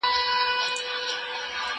زه سينه سپين نه کوم